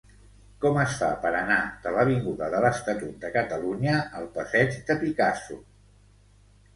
Com es fa per anar de l'avinguda de l'Estatut de Catalunya al passeig de Picasso?